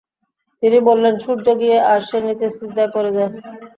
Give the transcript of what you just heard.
তিনি বললেনঃ সূর্য গিয়ে আরশের নিচে সিজদায় পড়ে যায়।